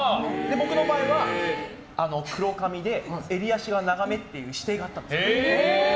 僕の場合は黒髪で襟足は長めっていう指定があったんです。